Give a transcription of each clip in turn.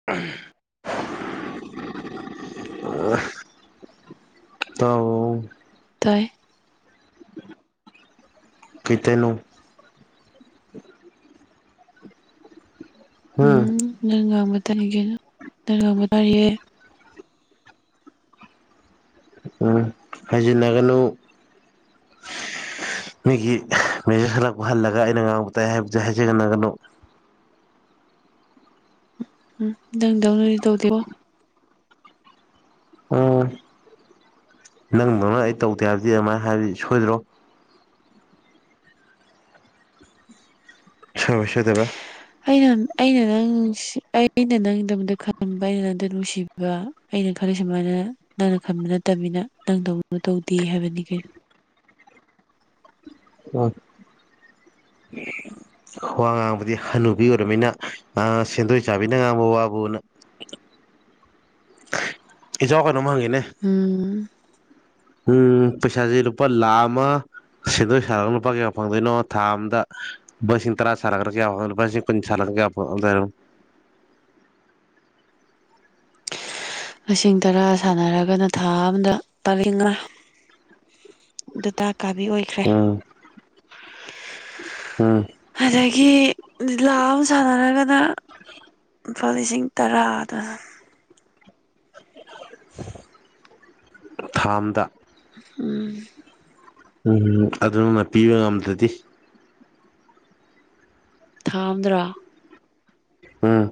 [unintelligible] ꯑ ꯇꯥꯎ ꯇꯥꯏ ꯀꯇꯅꯣ ꯎꯝ ꯅꯪ ꯉꯥꯡꯕ ꯇꯥꯅꯤꯒꯦ ꯅꯪ ꯉꯥꯡꯕ ꯇꯥꯔꯤꯌꯦ ꯎꯝ ꯍꯥꯏꯖꯤꯟꯅꯒꯅꯨ ꯃꯤꯒꯤ ꯃꯦꯖꯔ ꯈꯜꯂꯛꯄ ꯍꯜꯂꯒ ꯑꯩꯅ ꯉꯥꯡꯕ ꯇꯥꯏ ꯍꯥꯏꯕꯗꯨ ꯍꯥꯏꯖꯒꯟꯟꯅꯒꯅꯨ ꯎꯝ ꯅꯪꯗꯧꯅꯗꯤ ꯇꯧꯗꯦꯕꯣ ꯎꯝ ꯅꯪꯗꯧꯅ ꯑꯩ ꯇꯧꯗꯦ ꯍꯥꯏꯕꯗꯤ ꯑꯗꯨꯃꯥꯏꯅ ꯍꯥꯏꯕꯗꯤ ꯁꯣꯏꯗ꯭ꯔꯣ ꯁꯣꯏꯕ ꯁꯣꯏꯗꯕꯔꯥ ꯑꯩꯅ ꯑꯩꯅ ꯅꯪ ꯑꯩꯅ ꯅꯪꯒꯤꯗꯃꯛꯇ ꯈꯟꯕ ꯑꯩꯅ ꯅꯪꯗ ꯅꯨꯡꯁꯤꯕ ꯑꯗꯨꯒ ꯑꯩꯅ ꯈꯜꯂꯤ ꯁꯨꯃꯥꯏꯅ ꯅꯪꯅ ꯈꯟꯕ ꯅꯠꯇꯕꯅꯤꯅ ꯅꯪ ꯇꯧ ꯇꯧꯗꯦ ꯍꯥꯏꯕꯅꯤ ꯀꯩꯅꯣ ꯎꯝ ꯋꯥ ꯉꯥꯡꯕꯗꯤ ꯍꯅꯨꯕꯤ ꯑꯣꯏꯔꯕꯅꯤꯅ ꯁꯦꯟꯗꯣꯏ ꯆꯥꯕꯤꯅ ꯉꯥꯡꯕ ꯋꯥꯕꯨꯅ ꯏꯆꯥꯎ ꯀꯩꯅꯣꯝ ꯍꯪꯉꯤꯅꯦ ꯎꯝ ꯎꯝ ꯄꯩꯁꯥꯁꯦ ꯂꯨꯄꯥ ꯂꯥꯈ ꯑꯃ ꯁꯦꯟꯗꯣꯏ ꯁꯥꯔꯒ ꯂꯨꯄꯥ ꯀꯌꯥ ꯐꯪꯗꯣꯏꯅꯣ ꯊꯥ ꯑ ꯑꯃꯗ ꯂꯨꯄꯥ ꯁꯁꯤꯡ ꯇꯔꯥ ꯁꯠꯂꯒ꯭ꯔꯒ [unintelligible] ꯂꯤꯁꯤꯡ ꯇꯔꯥ ꯁꯥꯟꯅꯔꯒꯅ ꯊꯥ ꯑꯃꯝꯗ ꯄꯔꯦꯡ ꯃꯥ ꯗꯥꯇꯥ ꯀꯥꯕꯤ ꯑꯣꯏꯈ꯭ꯔꯦ ꯎ ꯑꯗꯒꯤ ꯂꯤꯂꯥ ꯑꯃ ꯁꯥꯟꯅꯔꯒꯅ ꯂꯨꯄꯥ ꯂꯤꯁꯤꯡ ꯇꯔꯥ ꯑꯗꯨ ꯊꯥꯝꯗ ꯎꯝ ꯎꯝꯝ ꯑꯗꯨꯃ ꯄꯤꯕ ꯉꯝꯗ꯭ꯔꯗꯤ ꯊꯥ ꯑꯝꯗ꯭ꯔꯥ ꯎꯝ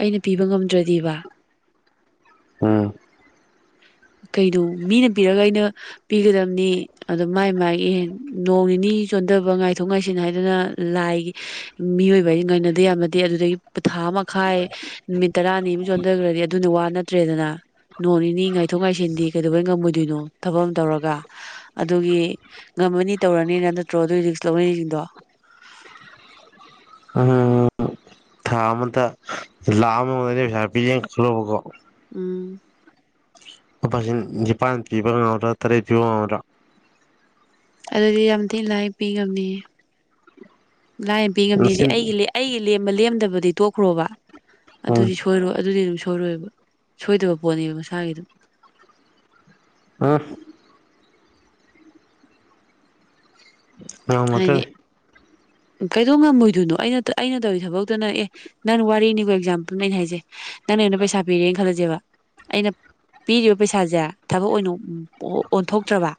ꯑꯩꯅ ꯄꯤꯕ ꯉꯝꯗ꯭ꯔꯗꯤꯕ ꯎꯝ꯫ ꯀꯩꯅꯣ ꯃꯤꯅ ꯄꯤꯔꯒ ꯑꯩꯅ ꯄꯤꯒꯗꯝꯅꯤ ꯑꯗꯣ ꯃꯥꯏ ꯃꯥꯒꯤ ꯅꯣꯡ ꯅꯤꯅꯤ ꯆꯣꯟꯊꯕ ꯉꯥꯏꯊꯣꯛ ꯉꯥꯏꯁꯤꯟ ꯍꯥꯏꯗꯅ ꯂꯥꯏꯒꯤ ꯃꯤꯑꯣꯏꯕ ꯍꯥꯏꯖꯤ ꯉꯥꯏꯅꯗꯦ ꯌꯥꯕꯅꯠꯇꯦ ꯑꯗꯨꯗꯒꯤ ꯊꯥ ꯑꯃꯈꯥꯏ ꯅꯨꯃꯤꯠ ꯇꯔꯥꯅꯤ ꯑꯝ ꯆꯣꯟꯗꯒ꯭ꯔꯗꯤ ꯑꯗꯨꯅ ꯋꯥ ꯅꯠꯇ꯭ꯔꯦꯗꯅ ꯅꯣꯡ ꯅꯤꯅꯤ ꯉꯥꯏ ꯊꯣꯛ ꯉꯥꯏꯁꯤꯟꯗꯤ ꯀꯩꯗꯧꯕꯩ ꯉꯝꯃꯣꯏꯗꯣꯏꯅꯣ ꯊꯕꯛ ꯑꯝ ꯇꯧꯔꯒ꯫ ꯑꯗꯨꯒꯤ ꯉꯝꯃꯅꯤ ꯇꯧꯔꯅꯤꯅ ꯅꯠꯇ꯭ꯔꯣ ꯑꯗꯨꯏ ꯔꯤꯛ꯭ꯁ ꯂꯧꯅꯔꯤꯁꯤꯡꯗꯣ꯫ ꯎꯝ ꯊꯥ ꯑꯃꯇ ꯂꯥꯛ ꯑꯃ ꯃꯅꯦ ꯄꯩꯁꯥ ꯄꯤꯒꯦꯅ ꯈꯜꯂꯣꯕꯀꯣ ꯎꯝ꯫ ꯂꯨꯄꯥꯁꯤꯡ ꯅꯤꯄꯥꯟ ꯄꯤꯕ ꯉꯝꯗ꯭ꯔꯥ ꯇꯔꯦꯠ ꯄꯤꯕ ꯉꯝꯃꯗ꯭ꯔꯥ꯫ ꯑꯗꯨꯗꯤ ꯌꯥꯝ ꯊꯤꯟ ꯂꯥꯏꯟ ꯄꯤ ꯉꯝꯅꯤ ꯂꯥꯏꯟ ꯄꯤ ꯉꯝꯅꯤꯗꯤ ꯂꯤꯁꯤꯡ ꯑꯩꯒꯤ ꯂꯦ ꯑꯩꯒꯤ ꯂꯦꯝꯕ ꯂꯦꯝꯗꯕꯗꯤ ꯇꯣꯛꯈ꯭ꯔꯣꯕ ꯎꯝ ꯑꯗꯨꯗꯤ ꯁꯣꯏꯔꯣ ꯑꯗꯨꯗꯤ ꯑꯗꯨꯝ ꯁꯣꯏꯔꯣꯏꯕ꯫ ꯁꯣꯏꯗꯕ ꯄꯣꯠꯅꯦꯕ ꯃꯁꯥꯒꯤ ꯑꯗꯨꯝ꯫ ꯑꯥ ꯍꯥꯏꯗꯤ ꯉꯝꯃꯛꯇ꯭ꯔꯗꯤ꯫ ꯀꯩꯗꯧ ꯉꯝꯃꯣꯏꯗꯣꯏꯅꯣ ꯑꯩꯅ ꯇ ꯑꯩꯅ ꯇꯧꯔꯤ ꯊꯕꯛꯇꯨꯅ ꯑꯦ ꯅꯪ ꯋꯥꯔꯤꯅꯤꯀꯣ ꯑꯦꯛꯖꯥꯝꯄꯜ ꯑꯩꯅ ꯍꯥꯏꯖꯦ ꯅꯪꯅ ꯑꯩꯉꯣꯟꯗ ꯄꯩꯁꯥ ꯄꯤꯔꯦꯟ ꯈꯜꯂꯁꯦꯕ ꯑꯩꯅ ꯄꯤꯒꯤꯕ ꯄꯩꯁꯥꯁꯦ ꯊꯕꯛ ꯑꯣꯏꯅ ꯑꯣ ꯑꯣꯟꯊꯣꯛꯇ꯭ꯔꯕ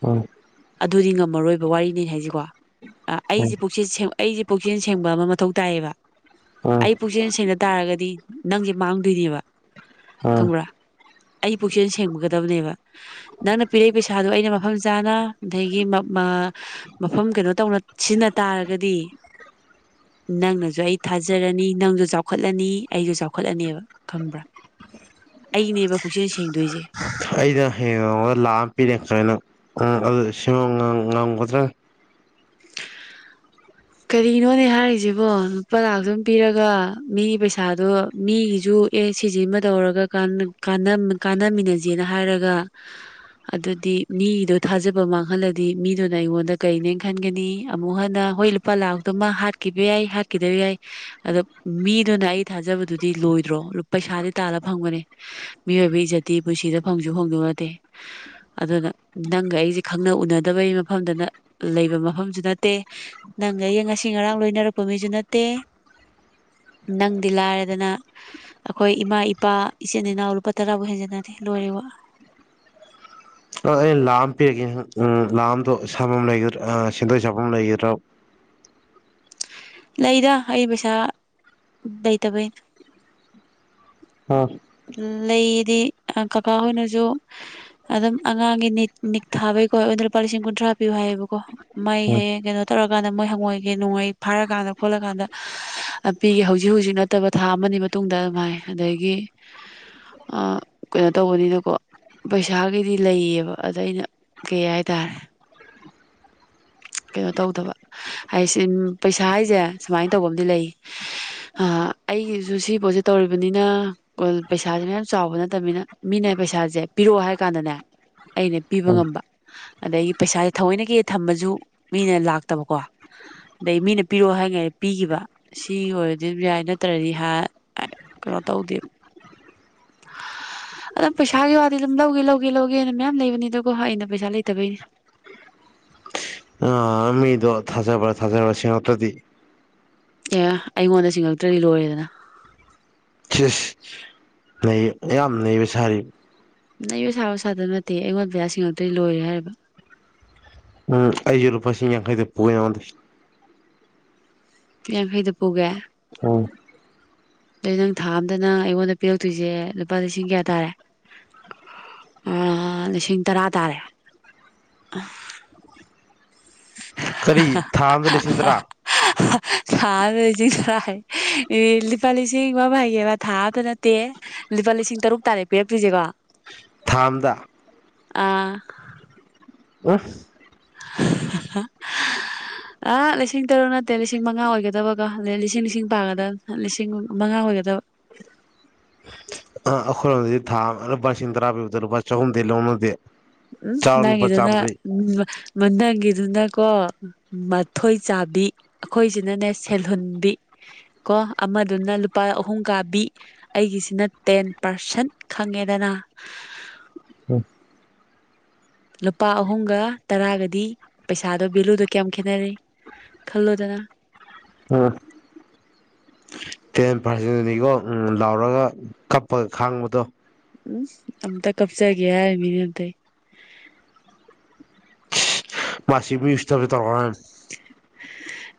ꯎꯝ ꯑꯗꯨꯗꯤ ꯉꯝꯃꯔꯣꯏꯕ ꯋꯥꯔꯤꯅꯤ ꯍꯥꯏꯖꯤꯀꯣ꯫ ꯎꯝ ꯑꯩꯖꯦ ꯄꯨꯛꯆꯦꯜ ꯁꯦꯡꯕ ꯑꯩꯖꯦ ꯄꯨꯛꯆꯦꯜ ꯁꯦꯡꯕ ꯑꯃ ꯃꯊꯧ ꯇꯥꯏꯌꯦꯕ꯫ ꯎꯝ ꯑꯩ ꯄꯨꯛꯆꯦꯟ ꯁꯦꯡꯗ ꯇꯥꯔꯒꯗꯤ ꯅꯪꯖꯦ ꯃꯥꯡꯗꯣꯏꯅꯤꯕ꯫ ꯑꯥ ꯑꯩ ꯄꯨꯛꯆꯦꯟꯜ ꯁꯦꯡꯃꯒꯗꯕꯅꯦꯕ꯫ ꯅꯪꯅ ꯄꯤꯔꯛꯏ ꯄꯩꯁꯥꯗꯣ ꯑꯩꯅ ꯃꯐꯝ ꯆꯥꯅ ꯗꯒꯤ ꯃꯞ ꯃꯥ ꯃꯐꯝ ꯀꯩꯅꯣ ꯇꯧꯅ ꯁꯤꯖꯤꯟꯅ ꯇꯥꯔꯒꯗꯤ ꯅꯪꯅꯖꯨ ꯑꯩ ꯊꯥꯖꯔꯅꯤ ꯅꯪꯖꯨ ꯆꯥꯎꯈꯠꯂꯅꯤ ꯑꯩꯖꯨ ꯆꯥꯎꯈꯠꯂꯅꯦꯕ꯫ ꯈꯪꯕ꯭ꯔꯥ ꯑꯩꯅꯦꯕ ꯄꯨꯛꯆꯦꯜ ꯁꯦꯡꯗꯣꯏꯖ‌ꯦ꯫ ꯑꯩꯅ ꯍꯌꯦꯡ [unintelligible] ꯂꯥꯛ ꯑꯝ ꯄꯤꯔꯦ [unintelligible] ꯅꯪ [unintelligible] ꯉꯝ ꯉꯝꯒꯗ꯭ꯔꯥ ꯀꯔꯤꯅꯣꯅꯦ ꯍꯥꯏꯔꯤꯖꯤꯕꯣ ꯂꯨꯄꯥ ꯂꯥꯛ ꯑꯝ ꯄꯤꯔꯒ ꯃꯤꯒꯤ ꯄꯩꯁꯥꯗꯣ ꯃꯤꯒꯤꯖꯨ ꯑꯦ ꯁꯤꯁꯤꯃ ꯇꯧꯔꯒ ꯀꯥꯟꯅ ꯀꯥꯟꯅꯃ ꯀꯥꯟꯅꯃꯤꯟꯅꯖꯦꯅ ꯍꯥꯏꯔꯒ ꯑꯗꯨꯗꯤ ꯃꯤꯒꯤꯗꯣ ꯊꯥꯖꯕ ꯃꯥꯡꯍꯜꯂꯗꯤ ꯃꯤꯗꯨꯅ ꯑꯩꯉꯣꯟꯗ ꯀꯩꯅꯦ ꯈꯟꯒꯅꯤ꯫ ꯑꯃꯨꯛ ꯍꯟꯅ ꯍꯣꯏ ꯂꯨꯄꯥ ꯂꯥꯛꯇꯨꯃ ꯍꯥꯠꯈꯤꯕ ꯌꯥꯏ ꯍꯥꯠꯈꯤꯗꯕ ꯌꯥꯏ ꯑꯗꯣ ꯃꯤꯗꯨꯅ ꯑꯩ ꯊꯥꯖꯕꯗꯨꯗꯤ ꯂꯣꯏꯗ꯭ꯔꯣ ꯂꯨꯞ ꯄꯩꯁꯥꯗꯤ ꯇꯥꯜꯂ ꯐꯪꯕꯅ‌ꯦ꯫ ꯃꯤꯑꯣꯏꯕꯩ ꯏꯖꯠꯇꯤ ꯄꯨꯟꯁꯤꯗ ꯐꯪꯁꯨ ꯐꯪꯗꯣ ꯅꯠꯇꯦ꯫ ꯑꯗꯨꯅ ꯅꯪꯒ ꯑꯩꯁꯦ ꯈꯪꯅ ꯎꯅꯗꯕꯩ ꯃꯐꯝꯗꯅ ꯂꯩꯕ ꯃꯐꯝꯁꯨ ꯅꯠꯇꯦ ꯅꯪꯒ ꯑꯩꯒ ꯉꯁꯤ ꯉꯔꯥꯡ ꯂꯣꯏꯅꯔꯛꯄ ꯃꯤꯁꯨ ꯅꯠꯇꯦ꯫ ꯅꯪꯗꯤ ꯂꯥꯏꯔꯗꯅ ꯑꯈꯣꯏ ꯏꯃꯥ ꯏꯄꯥ ꯏꯆꯤꯟ ꯏꯅꯥꯎ ꯂꯨꯄꯥ ꯇꯔꯥꯕꯛ ꯍꯦꯟꯖꯤꯟꯅꯗꯦ ꯂꯣꯏꯔꯦ ꯋꯥ꯫ ꯑ ꯑꯩꯅ ꯂꯥꯛ ꯑꯝ ꯄꯤꯔꯒꯦ [unintelligible] ꯂꯥꯛ ꯑꯝꯗꯣ ꯁꯥꯟꯕꯝ ꯂꯩꯒꯗ꯭ꯔ ꯑꯥ ꯁꯦꯟꯗꯣꯏ ꯆꯥꯕꯝ ꯂꯩꯒꯗ꯭ꯔ‌ꯣ ꯂꯩꯗ ꯑꯩ ꯄꯩꯁꯥ ꯂꯩꯇꯕꯩꯩꯟ꯫ ꯑꯥ ꯎꯝ ꯂꯩꯌꯦꯗꯤ ꯑ ꯀꯥꯀꯥ ꯍꯣꯏꯅꯁꯨ ꯑꯗꯨꯝ ꯑꯉꯥꯡꯒꯤ ꯅꯤꯠ ꯅꯤꯛ ꯊꯥꯕꯩꯀꯣ ꯑꯩꯉꯣꯟꯗ ꯂꯨꯄꯥ ꯂꯤꯁꯤꯡ ꯀꯨꯟꯊ꯭ꯔꯥ ꯄꯤꯌ‌ꯣ ꯍꯥꯏꯌꯦꯕꯀꯣ꯫ ꯃꯩ ꯍꯌꯦꯡ ꯀꯩꯅꯣ ꯇꯧꯔꯛꯀꯥꯟꯗ ꯃꯣꯏ ꯍꯪꯉꯣꯏꯒꯤ ꯅꯣꯡꯃꯩ ꯐꯥꯔꯀꯥꯟꯗ ꯈꯣꯠꯂꯀꯥꯟꯗ ꯄꯤꯒꯦ ꯍꯧꯖꯤꯛ ꯍꯨꯖꯤꯛ ꯅꯠꯇꯕ ꯊꯥ ꯑꯃꯅꯤ ꯃꯇꯨꯡꯗ ꯑꯝ ꯍꯥꯏ ꯑꯗꯒꯤ ꯑꯥ ꯀꯩꯅꯣ ꯇꯧꯕꯅꯤꯅꯀꯣ ꯄꯩꯁꯥꯒꯤꯗꯤ ꯂꯩꯌꯦꯕ ꯑꯗ ꯑꯩꯅ ꯀꯩ ꯍꯥꯏꯇꯥꯔ ꯀꯩꯅꯣ ꯇꯧꯗꯕ ꯍꯥꯏꯁꯤꯟ ꯄꯩꯁꯥ ꯍꯥꯏꯖ‌ꯦ ꯁꯨꯃꯥꯏꯟ ꯇꯧꯕ ꯑꯝꯗꯤ ꯂꯩ ꯍꯥ ꯑꯩꯒꯤꯖꯨ ꯁꯤ ꯄꯣꯠꯁꯤ ꯇꯧꯔꯤꯕꯅꯤꯅ ꯄꯨꯜ ꯄꯩꯁꯥꯖꯤꯅ ꯌꯥꯝ ꯆꯥꯎꯕ ꯅꯠꯇꯕꯅꯤꯅ ꯃꯤꯅ ꯄꯩꯁꯥꯖ‌ꯦ ꯄꯤꯔ‌ꯣ ꯍꯥꯏ ꯀꯥꯟꯗꯅꯦ ꯑꯩꯅ ꯄꯤꯕ ꯉꯝꯕ ꯑꯗꯒꯤ ꯄꯩꯁꯥ ꯊꯑꯣꯏꯅꯒꯤ ꯍ‌ꯦ ꯊꯝꯃꯖꯨ ꯃꯤꯅ ꯂꯥꯛꯇꯕꯀꯣ ꯑꯗꯩ ꯃꯤꯅ ꯄꯤꯔ‌ꯣ ꯍꯥꯏꯉꯩ ꯄꯤꯒꯤꯕ ꯑꯁꯤ ꯑꯣꯏꯔꯗꯤ ꯗꯨꯝ ꯌꯥꯏ ꯅꯠꯇ꯭ꯔꯗꯤ ꯍꯥ ꯀꯩꯅꯣ ꯇꯧꯗꯦ [unintelligible] ꯑꯗꯨꯝ ꯄꯩꯁꯥꯒꯤ ꯋꯥꯗꯤ ꯑꯗꯨꯝ ꯂꯧꯒꯦ ꯂꯧꯒꯦ ꯂꯧꯒꯦꯅ ꯃꯌꯥꯝ ꯂꯩꯕꯅꯤꯗꯀ‌ꯣ ꯑꯩꯅ ꯄꯩꯁꯥ ꯂꯩꯇꯕꯩꯅꯤ [unintelligible] ꯃꯤꯗꯣ ꯊꯥꯖꯕ ꯊꯥꯖꯕ ꯁꯤꯡꯉꯛꯇꯥꯗꯤ ꯑꯦ ꯑꯩꯉꯣꯟꯗ ꯁꯤꯡꯉꯛꯇ꯭ꯔꯗꯤ ꯂꯣꯏꯔꯦꯗꯅ ꯏ ꯏꯁ ꯅꯩ ꯅꯪ ꯌꯥꯝ ꯅꯩꯕ ꯁꯥꯔꯤ ꯅꯩꯕ ꯁꯥꯕ ꯁꯥꯗꯕ ꯅꯠꯇꯦ ꯑꯩꯉꯣꯟꯗ ꯄꯩꯁꯥ ꯁꯤꯡꯉꯛꯇ꯭ꯔꯗꯤ ꯂꯣꯏꯔꯦ ꯍꯥꯏꯔꯤꯕ ꯎꯝ ꯑꯩꯖꯨ ꯂꯨꯄꯥ ꯂꯤꯁꯤꯡ ꯌꯥꯡꯈꯩꯗ ꯄꯨꯒ‌ꯦ ꯅꯉ‌ꯣꯟꯗꯩ [unintelligible] ꯌꯥꯡꯈꯩꯗ ꯄꯨꯒꯦ [unintelligible] ꯑꯗꯨꯗꯤ ꯅꯪ ꯊꯥ ꯑꯝꯗ ꯅꯪ ꯑꯩꯉꯣꯟꯗ ꯄꯤꯔꯛꯇꯣꯏꯁꯦ ꯂꯨꯄꯥ ꯂꯤꯁꯤꯡ ꯀꯌꯥ ꯇꯥꯔꯦ? ꯑ ꯂꯤꯁꯤꯡ ꯇꯔꯥ ꯇꯥꯔꯦ? ꯀꯔꯤ ꯊꯥ ꯑꯝꯗ ꯂꯤꯁꯤꯡ [unintelligible] [inaudible] ꯊꯥ ꯑꯃꯗ ꯂꯤꯁꯤꯡ ꯇꯔꯥ ꯍꯥꯏꯌ‌ꯦ ꯏ ꯂꯤꯄꯥ ꯂꯤꯁꯤꯡ ꯋꯥ ꯑꯃ ꯍꯥꯏꯒꯦꯕ ꯊꯥ ꯑꯃꯗ ꯅꯠꯇꯦ꯫ ꯂꯨꯄꯥ ꯂꯤꯁꯤꯡ ꯇꯔꯨꯛ ꯇꯥꯔꯦ ꯄꯤꯔꯛꯇ‌꯭ꯔꯤꯖ‌ꯦꯀꯣ? ꯊꯥ ꯑꯝꯗ? ꯑꯥ [unintelligible] [unintelligible] [unintelligible] ꯑꯥ ꯂꯤꯁꯤꯡ ꯇꯔꯨꯛ ꯅꯠꯇꯦ, ꯂꯤꯁꯤꯡ ꯃꯉꯥ ꯑꯣꯏꯒꯗꯕꯒ‌ꯣ ꯑꯗꯩ ꯂꯤꯁꯤꯡ ꯂꯤꯁꯤꯡ ꯄꯥꯒꯗꯝꯅꯤ, ꯂꯤꯁꯤꯡ ꯃꯉꯥ ꯑꯣꯏꯒꯗꯕ꯫ ꯑ ꯑꯩꯈꯣꯏꯔꯣꯝꯗꯗꯤ ꯊꯥ ꯂꯨꯄꯥ ꯂꯤꯁꯤꯡ ꯇꯔꯥ ꯄꯤꯕꯗ ꯂꯨꯄꯥ ꯆꯍꯨꯝꯗꯩ ꯂꯧꯅꯗꯦ꯫ ꯎꯝ ꯆꯥꯎꯔ ꯂꯨꯄꯥ ꯅꯪꯒꯤꯗꯨꯅ ꯆꯥꯝꯃꯔꯤ [unintelligible] ꯃ ꯅꯪꯒꯤꯗꯨꯅꯀꯣ ꯃꯊꯣꯏ ꯆꯥꯕꯤ꯫ ꯑꯈꯣꯏꯁꯤꯅꯅꯦ ꯁꯦꯜꯍꯨꯟꯕꯤ ꯀꯣ꯫ ꯑꯃꯗꯨꯅ ꯂꯨꯄꯥ ꯑꯍꯨꯝ ꯀꯥꯕꯤ꯫ ꯑꯩꯒꯤꯁꯤꯅ ꯇꯦꯟ ꯄꯥꯔꯁꯟ꯫ ꯈꯪꯉꯦꯗꯅ? ꯂꯨꯄꯥ ꯑꯍꯨꯝꯒ ꯇꯔꯥꯒꯗꯤ ꯄꯩꯁꯥꯗꯣ ꯚꯦꯂꯨꯗꯣ ꯀꯌꯥꯝ ꯈꯦꯠꯅꯔꯦ? ꯈꯜꯂꯣꯗꯅ? ꯎꯝ ꯇꯦꯟ ꯄꯥꯔꯁꯦꯟꯗꯨꯅꯤꯀꯣ ꯎꯝ ꯂꯥꯎꯔꯒ ꯀꯞꯄꯒ ꯈꯥꯡꯕꯗꯣ꯫ ꯎꯝ ꯑꯝꯇ ꯀꯞꯆꯒꯦ ꯍꯥꯏꯔꯤꯃꯤꯅꯦ ꯑꯝꯇ ꯑꯩ꯫ ꯃꯥꯁꯤ ꯃꯤ ꯎꯁꯤꯠꯇꯕꯖ‌ꯦ ꯇꯧꯔꯛꯀꯅ‌ꯣ ꯍꯥꯏ [inaudible]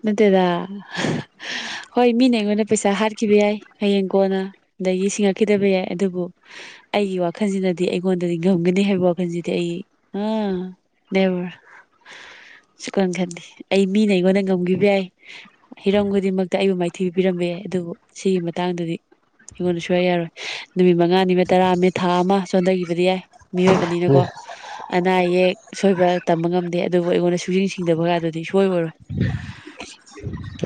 ꯅꯠꯇꯦꯗꯥ [unintelligible] ꯍꯣꯏ ꯃꯤꯅ ꯑꯩꯉꯣꯟꯗꯩ ꯄꯩꯁꯥ ꯍꯥꯠꯈꯤꯕ ꯌꯥꯏ ꯍꯌꯦꯡ ꯀꯣꯟꯅ ꯑꯗꯒꯤ ꯁꯤꯡꯉꯛꯈꯤꯗꯕ ꯌꯥꯏ ꯑꯗꯨꯕꯨ ꯑꯩꯒꯤ ꯋꯥꯈꯜꯁꯤꯅꯗꯤ ꯑꯩꯉꯣꯟꯗꯗꯤ ꯉꯝꯒꯅꯤ ꯍꯥꯏꯕ ꯋꯥꯈꯜꯁꯤꯗꯤ ꯑꯩ ꯑꯥ ꯅꯦꯕ꯭ꯔ꯫ ꯁꯨꯈꯟ ꯈꯟꯗ‌ꯦ꯫ ꯑꯩ ꯃꯤꯅ ꯑꯩꯉꯣꯟꯗ ꯉꯝꯒꯤꯕ ꯌꯥꯏ꯫ ꯍꯤꯔꯝ ꯈꯨꯗꯤꯡꯃꯛꯇ ꯑꯩꯕꯨ ꯃꯥꯏꯊꯤꯕ ꯄꯤꯔꯝꯕ ꯑꯗꯨꯕꯨ ꯁꯤꯒꯤ ꯃꯇꯥꯡꯗꯗꯤ ꯑꯩꯉꯣꯟꯗ ꯁꯨꯡꯌꯥ ꯌꯥꯔꯣꯏ꯫ ꯅꯨꯃꯤꯠ ꯃꯉꯥꯅꯤꯃ ꯇꯔꯥ [unintelligible] ꯊꯥ ꯑꯃ ꯆꯣꯟꯗꯒꯤꯕꯗꯤ ꯌꯥꯏ꯫ ꯃꯤꯑꯣꯏꯕꯅꯤꯅꯀꯣ ꯑꯅꯥ ꯑꯌꯦꯛ ꯁꯣꯏꯕ ꯇꯝꯕ ꯉꯝꯗꯦ ꯑꯗꯨꯕꯨ ꯑꯩꯉꯣꯟꯗ ꯁꯨꯁꯤꯡ ꯁꯤꯡꯗꯕꯒꯗꯨꯗꯤ ꯁꯨꯑꯣꯏ ꯑꯣꯏꯔꯣꯏ꯫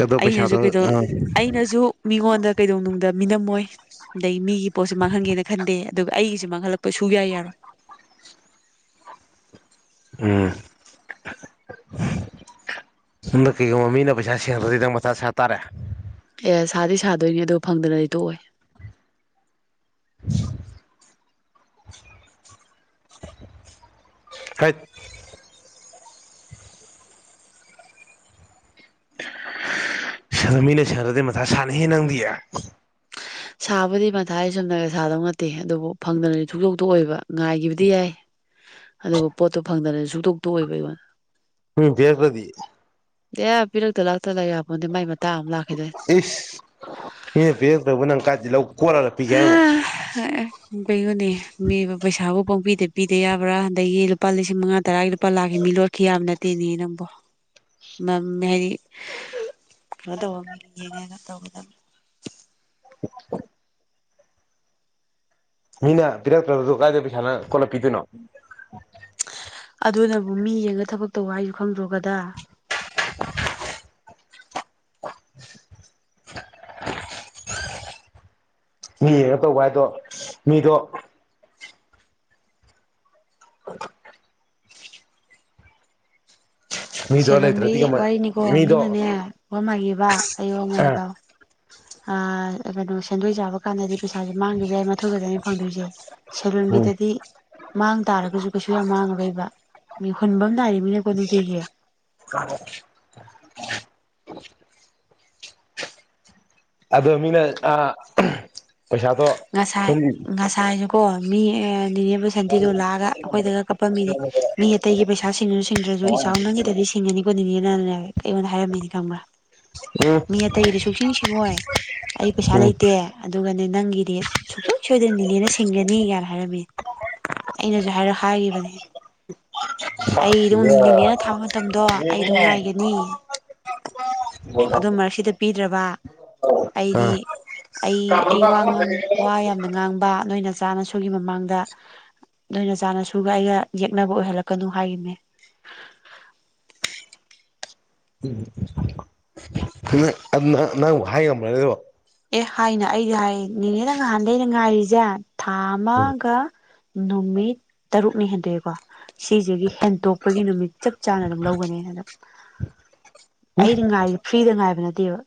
ꯑꯗꯣ ꯑꯩꯅꯖꯨ‌ ꯄꯩꯁꯥꯗꯣ ꯀꯩꯗꯣ ꯑꯥ ꯑꯩꯅꯁꯨ ꯃꯤꯉꯣꯟꯗ ꯀꯩꯗꯧꯅꯨꯡꯗ ꯃꯤꯅꯝꯃꯣꯏ꯫ ꯑꯗꯩ ꯃꯤꯒꯤ ꯄꯣꯠꯁꯨ ꯃꯥꯡꯍꯟꯒꯦꯅ ꯈꯟꯗꯦ ꯑꯗꯨꯒ ꯑꯩꯒꯤꯁꯨ ꯃꯥꯡꯍꯜꯂꯛꯄ ꯁꯨꯌꯥ ꯌꯥꯔꯣꯏ꯫ ꯎꯝ꯫ ꯁꯣꯝꯗ ꯀꯩꯒꯨꯝꯕ ꯃꯤꯅ ꯄꯩꯁꯥ ꯁꯤꯡꯉꯛꯇ‍꯭ꯔꯗꯤ ꯅꯪ ꯃꯊꯥ ꯁꯥꯥ ꯇꯥꯔꯦ? ꯌꯦꯁ ꯁꯥꯗꯤ ꯁꯥꯗꯣꯏꯅꯦ ꯑꯗꯨ ꯐꯪꯗꯅꯗꯤ ꯇꯣꯛꯑꯣꯏ꯫ ꯍꯥꯏꯠ ꯁꯥꯟꯅꯃꯤꯅ ꯁꯥꯟꯅꯗꯦ ꯃꯊꯥ ꯁꯥꯅꯤꯍꯦ ꯅꯪꯗꯤ꯫ ꯁꯥꯕꯨꯗꯤ ꯃꯊꯥꯏ ꯆꯨꯝꯅꯒ ꯁꯥꯗꯧ ꯅꯠꯇꯦ ꯑꯗꯨꯕꯨ ꯐꯪꯗꯅꯗꯤ ꯁꯨꯇꯣꯛ ꯇꯣꯛꯑꯣꯕ ꯉꯥꯏꯈꯤꯕꯗꯤ ꯌꯥꯏ꯫ ꯑꯗꯨꯕꯨ ꯄꯣꯠꯇꯣ ꯐꯪꯗꯅꯗꯤ ꯁꯨꯛꯇꯣꯛ ꯇꯣꯛꯑꯣꯏꯕ ꯑꯩꯉꯣꯟꯗ꯫ ꯎꯝ ꯄꯤꯔꯛꯇꯗꯤ? ꯑꯦ ꯄꯤꯔꯛꯇ ꯂꯥꯛꯇ ꯂꯩ ꯌꯥꯄꯣꯟꯇꯦ ꯃꯥꯏ ꯃꯇꯥꯡ ꯑꯃ ꯂꯥꯛꯈꯤꯗꯣꯏꯅꯦ꯫ ꯏꯁ ꯃꯤꯅ ꯄꯤꯔꯛꯇ꯭ꯔꯒꯧ ꯅꯪ ꯀꯥꯏꯗꯩ ꯂꯧ ꯀꯣꯠꯂ ꯍꯥ ꯍꯣꯏ ꯑꯦ ꯀꯩꯅꯣꯅꯦ ꯃꯤꯕꯨ ꯄꯩꯁꯥꯕꯨ ꯄꯡꯄꯤꯗ ꯄꯤꯗ ꯌꯥꯕ꯭ꯔꯥ? ꯑꯗꯒꯤ ꯂꯨꯄꯥ ꯂꯤꯁꯤꯡ ꯃꯉꯥ ꯇꯔꯥꯒꯤ ꯄꯂꯥꯒꯤ ꯃꯤ ꯂꯣꯠꯈꯤ ꯌꯥꯝꯕ ꯅꯠꯇꯦꯅꯦ ꯅꯪꯕꯣ ꯃꯝꯃꯦ ꯍꯥꯏꯗꯤ ꯀꯩꯅꯣ ꯇꯧꯕ ꯃꯤ ꯌꯦꯡꯉꯒ ꯇꯧꯒꯗꯕ ꯃꯤꯅ ꯄꯤꯔꯛꯇ꯭ꯔꯁꯨ ꯀꯗꯥꯏꯗꯨ ꯄꯩꯁꯥꯅ ꯀꯣꯜꯂꯄꯤꯗꯣꯏꯅꯣ ꯑꯗꯨꯅꯕꯨ ꯃꯤ ꯌꯦꯡꯉ ꯊꯕꯛ ꯇꯧꯕ ꯍꯥꯏꯁꯨ ꯈꯪꯗ꯭ꯔꯣꯒꯗ ꯃꯤ ꯌꯦꯡꯉ ꯇꯧꯕ ꯍꯥꯏꯗꯣ ꯃꯤꯗꯣ ꯃꯤꯗꯣ ꯂꯩꯇ꯭ꯔꯗꯤ [unintelligible] ꯀꯃꯥꯏ ꯋꯥꯔꯤꯅꯤꯀꯣ ꯃꯤꯗꯣ ꯃꯤꯅꯅꯦ ꯋꯥ ꯃꯥ ꯍꯥꯏꯒꯦꯕꯥ ꯑꯩꯋꯥꯃꯥ ꯑ ꯍꯥꯏꯒꯦ ꯇꯥꯎ ꯀꯩꯅꯣ ꯁꯦꯟꯗꯣꯏ ꯆꯥꯕ ꯀꯥꯟꯗꯗꯤ ꯄꯩꯁꯥꯁꯦ ꯃꯥꯡꯈꯤꯕ ꯌꯥꯏ ꯃꯊꯣꯏꯒꯗꯅ ꯐꯪꯗꯣꯏꯁꯦ ꯎꯝ ꯁꯦꯟꯂꯣꯟꯕꯤꯗꯗꯤ ꯃꯥꯡ ꯇꯥꯔꯒꯁꯨ ꯀꯩꯁꯨ ꯌꯥꯝ ꯃꯥꯡꯉꯔꯣꯏꯕ ꯃꯤ ꯍꯨꯟꯕ ꯅꯥꯏꯔꯤꯃꯤꯅꯀꯣ ꯅꯨꯡꯇꯤꯒꯤ [unintelligible] ꯑꯗꯣ ꯃꯤꯅ ꯑꯥ ꯄꯩꯁꯥꯗꯣ ꯉꯁꯥꯏ ꯁꯨꯝ ꯎꯝ ꯉꯁꯥꯏꯁꯨꯀꯣ ꯃꯤ ꯅꯤꯅꯦꯕꯨ ꯁꯟꯇꯤꯗꯣ ꯂꯥꯛꯑꯒ ꯑꯩꯈꯣꯏꯗꯒ ꯀꯞꯄꯝꯃꯤꯅꯤ ꯃꯤ ꯑꯇꯩꯒꯤ ꯄꯩꯁꯥ ꯁꯤꯡ ꯁꯤꯡꯗ꯭ꯔꯁꯨ ꯏꯆꯥꯎ ꯅꯪꯒꯤꯗꯗꯤ ꯊꯤꯡꯉꯅꯤꯀꯣ ꯅꯤꯅꯦꯅꯅꯦ ꯑꯩꯉꯣꯟꯗ ꯍꯥꯏꯔꯝꯃꯤꯅꯤ ꯈꯪꯕ꯭ꯔꯥ ꯃꯤ ꯑꯇꯩꯗꯤ ꯁꯨꯡꯁꯤꯡ ꯁꯤꯡꯉꯣꯏ ꯑꯩ ꯄꯩꯁꯥ ꯎꯝ ꯂꯩꯇꯦ ꯑꯗꯨꯒꯅꯦ ꯅꯪꯒꯤ ꯗꯤ ꯁꯨꯡꯁꯣꯏ ꯁꯣꯏꯗꯅ ꯅꯤꯅꯦꯅ ꯁꯤꯡꯒꯅꯤ ꯀꯥꯏꯅ ꯍꯥꯏꯔꯝꯃꯤ ꯑꯩꯅꯁꯨ ꯍꯥꯏꯔ ꯍꯥꯏꯈꯤꯕꯅꯦ ꯑꯩ ꯑꯗꯨꯝ ꯅꯤꯅꯦꯅ ꯊꯥꯕ ꯃꯇꯝꯗꯣ ꯑꯩ ꯑꯗꯨꯝ ꯉꯥꯏꯒꯅꯤ ꯑꯗꯨ ꯃꯔꯛ ꯁꯤꯗ ꯄꯤꯗ꯭ꯔꯕ ꯑꯩꯗꯤ ꯑꯩ ꯑꯩ ꯋꯥ ꯉꯥꯡ ꯋꯥ ꯌꯥꯝꯅ ꯉꯥꯡꯕ ꯅꯣꯏꯅ ꯅꯆꯥꯅꯁꯨꯒꯤ ꯃꯃꯥꯡꯗ ꯅꯣꯏ ꯆꯆꯥꯅꯁꯨꯒ ꯑꯩꯒ ꯌꯦꯛꯅꯕ ꯑꯣꯏꯍꯜꯂꯛꯀꯅꯨ ꯍꯥꯏꯒꯤꯝꯅꯦ ꯎꯪ ꯅꯪꯕꯨ ꯍꯥꯏ ꯉꯝꯕꯔꯥꯅꯦ ꯑꯗꯨꯕꯨ ꯑꯦ ꯍꯥꯏꯅ ꯑꯩꯗꯤ ꯍꯥꯏ ꯅꯤꯅꯦꯗ ꯅꯍꯥꯟꯗꯒꯤ ꯑꯩꯅ ꯉꯥꯏꯔꯤꯁꯦ ꯊꯥ ꯎꯝ ꯑꯃꯒ ꯅꯨꯃꯤꯠ ꯇꯔꯨꯛꯅꯤ ꯍꯦꯟꯗꯣꯛꯑꯦꯀꯣ ꯁꯤꯁꯤꯒꯤ ꯍꯦꯟꯇꯣꯛꯄꯒꯤ ꯅꯨꯃꯤꯠ ꯆꯞ ꯆꯥꯅ ꯑꯗꯨꯝ ꯂꯧꯒꯅꯦ ꯅ ꯑꯗꯨꯝ ꯑꯩꯗꯤ ꯉꯥꯏ ꯐ꯭ꯔꯤꯗ ꯉꯥꯏꯕ ꯅꯠꯇꯦꯕ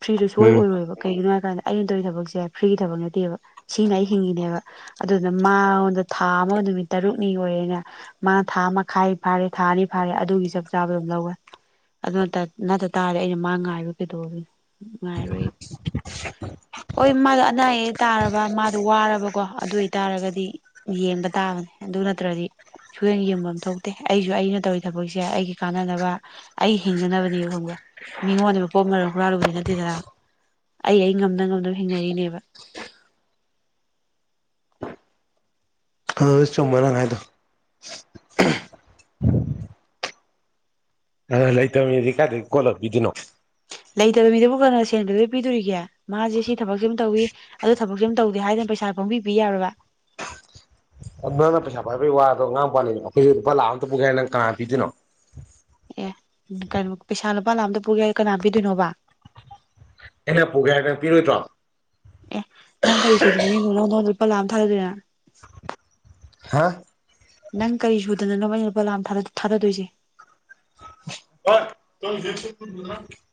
ꯐ꯭ꯔꯤꯗꯨ ꯁꯨꯡ ꯑꯣꯏ ꯑꯣꯏꯔꯣꯏꯕ ꯀꯩꯒꯤꯅꯣ ꯍꯥꯏꯀꯥꯟꯗ ꯑꯩꯅ ꯇꯧꯔꯤꯕ ꯊꯕꯛꯁꯦ ꯐ꯭ꯔꯤꯒꯤ ꯊꯕꯛ ꯅꯠꯇꯦꯕ ꯁꯤꯅ ꯑꯩ ꯍꯤꯡꯉꯤꯅꯦꯕ ꯑꯗꯨꯅ ꯃꯉꯣꯟꯗ ꯊꯥ ꯑꯃꯒ ꯅꯨꯃꯤꯠ ꯇꯔꯨꯛꯅꯤ ꯑꯣꯏꯔꯦꯅ ꯃꯥ ꯅ ꯊꯥ ꯃꯈꯥꯏ ꯐꯥꯔꯦ ꯊꯥ ꯑꯅꯤ ꯐꯥꯔꯦ ꯑꯗꯨꯒꯤ ꯆꯞ ꯆꯥꯕꯗ ꯑꯗꯨꯝ ꯂꯧꯋꯦ ꯑꯗꯨ ꯅꯠꯇ ꯇꯥꯔꯗꯤ ꯑꯩꯅ ꯃꯥ ꯉꯥꯏꯔ ꯀꯩꯗꯧꯅꯗꯣꯏꯅꯣ ꯉꯥꯏꯔꯣꯏ ꯍꯣꯏ ꯃꯥꯗꯣ ꯑꯅꯥ ꯑꯌꯦꯛ ꯇꯥꯔꯕ ꯃꯥꯗꯣ ꯋꯥꯔꯕꯀꯣ ꯑꯗꯨ ꯑꯣꯏꯇꯥꯔꯒꯗꯤ ꯌꯦꯡꯕ ꯇꯥꯕꯅꯦ ꯑꯗꯨ ꯅꯠꯇ꯭ꯔꯗꯤ ꯁꯨꯌꯦꯡ ꯌꯦꯡꯐꯝ ꯊꯣꯛꯇꯦ ꯑꯩꯁꯨ ꯑꯩꯅ ꯇꯧꯔꯤ ꯊꯕꯛꯁꯦ ꯑꯩꯒꯤ ꯀꯥꯟꯅꯅꯕ ꯑꯩ ꯍꯤꯡꯅꯅꯕꯅꯦ ꯈꯪꯕ꯭ꯔꯥ ꯃꯤꯉꯣꯟꯗ ꯃ ꯄꯣꯠ ꯃꯔꯟ ꯍꯨꯔꯥꯜꯂꯨꯕꯗꯤ ꯅꯠꯇꯦꯗꯅ ꯑꯩ ꯑꯩ ꯉꯝꯅ ꯉꯝꯅꯕ ꯍꯤꯡꯅꯔꯤꯅꯦꯕ ꯆꯨꯝꯃꯦ ꯅꯪ ꯍꯥꯏꯗꯣ ꯑ ꯂꯩ ꯇꯕ ꯃꯤꯗꯤ ꯀꯥꯏꯗꯩ ꯀꯣꯠꯂ ꯄꯤꯗꯣꯏꯅꯣ ꯂꯩꯇꯕ ꯃꯤꯗꯕꯨ ꯀꯅꯥ ꯁꯦꯟ ꯀꯩꯗꯧꯕꯩ ꯄꯤꯗꯣꯔꯤꯒꯦ ꯃꯥꯁꯦ ꯁꯤ ꯊꯕꯛꯁꯦ ꯑꯃ ꯇꯧꯏ ꯑꯗꯨ ꯊꯕꯛꯁꯤꯃꯥ ꯇꯧꯗꯦ ꯍꯥꯏꯗꯅ ꯄꯩꯁꯥ ꯄꯪꯄꯤ ꯄꯤ ꯌꯥꯕꯔꯕ ꯅꯪꯅ ꯄꯩꯁꯥ ꯄꯥꯏꯕꯒꯤ ꯋꯥꯗꯣ ꯉꯥꯡꯕꯥ ꯋꯥꯅꯤ ꯑꯩ ꯂꯨꯄꯥ ꯂꯥꯛ ꯑꯝꯇꯥ ꯄꯨꯒꯦ ꯅꯪ ꯀꯥꯅꯅ ꯄꯤꯗꯨꯏꯅꯣ ꯑꯦ ꯀꯩꯅꯣ ꯄꯩꯁꯥ ꯂꯨꯄꯥ ꯂꯥꯛꯑꯝꯇ ꯄꯨꯒꯦ ꯀꯅꯥ ꯄꯤꯗꯣꯏꯅꯣꯕ ꯑꯩꯅ ꯄꯨꯒꯦ ꯍꯥꯏꯕꯗ ꯄꯤꯔꯣꯏꯗ꯭ꯔꯣ ꯑꯦ ꯅꯪ ꯀꯔꯤ ꯁꯨꯗꯅꯅꯣ ꯅꯉꯣꯟꯗꯥ ꯂꯨꯄꯥ ꯂꯥꯛ ꯑꯃ ꯊꯥꯗꯗꯣꯏꯅꯣ ꯍꯥꯥ ꯅꯪ ꯀꯔꯤ ꯁꯨꯗꯅꯅꯣꯕ ꯑꯩꯅ ꯂꯨꯄꯥ ꯂꯥꯛ ꯊꯥꯗꯗꯣꯏꯁꯦ [unintelligible]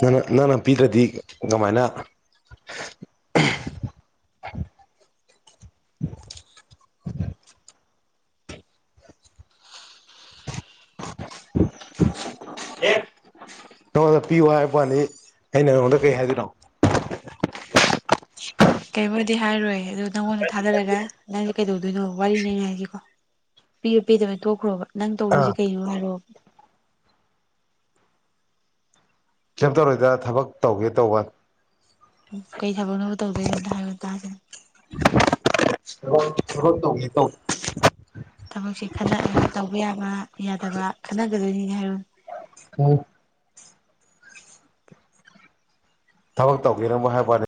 ꯅꯪꯅ ꯅꯪꯅ ꯄꯤꯗ꯭ꯔꯗꯤ ꯀꯃꯥꯏꯅ ꯅꯉꯣꯟꯗ ꯄꯤꯌꯨ ꯍꯥꯏꯕꯥꯋꯥꯅꯤ ꯑꯩꯅ ꯅꯉꯣꯟꯗ ꯀꯩ ꯍꯥꯏꯗꯣꯏꯅꯣ ꯀꯩꯕꯨꯗꯤ ꯍꯥꯏꯔꯣꯏ ꯑꯗꯣ ꯅꯪꯉꯣꯟꯗ ꯊꯥꯗꯔꯒ ꯅꯪꯁꯦ ꯀꯩꯗꯧꯗꯣꯏꯅꯣ ꯋꯥꯔꯤꯅꯦ ꯑꯩꯅꯥ ꯍꯥꯏꯁꯤꯀꯣ ꯄꯤꯕ ꯄꯤꯗꯕꯩ ꯇꯣꯛꯈ꯭ꯔꯣꯕ ꯅꯪ ꯑ ꯇꯧꯗꯣꯏꯁꯤ ꯀꯩꯅꯣ ꯍꯥꯏꯔꯣ ꯀꯩꯝ ꯇꯧꯔꯣꯏꯗ ꯊꯕꯛ ꯇꯧꯒꯦ ꯇꯧꯕ ꯀꯩ ꯊꯕꯛꯅꯣꯕ ꯇꯧꯗꯣꯏꯁꯦ ꯑꯝꯇ ꯍꯥꯏꯌꯨ ꯇꯥꯁꯦ ꯊꯕꯛ ꯊꯕꯛ ꯇꯧꯒꯦ ꯇꯧ ꯊꯕꯛꯁꯦ ꯈꯟꯅꯑꯦ ꯇꯧꯕ ꯌꯥꯕ ꯌꯥꯗꯕ ꯈꯟꯅꯒꯗꯣꯏꯅꯤꯅꯦ ꯍꯥꯏꯔꯣ [unintelligible] ꯊꯕꯛ ꯇꯧꯕꯤꯔꯝꯃꯨ ꯍꯥꯏꯕ ꯋꯥꯅꯤ